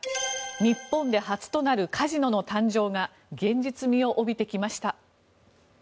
日本で初となるカジノの誕生が現実味を帯びてきました。